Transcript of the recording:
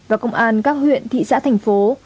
và công an các huyện thị xã thành phố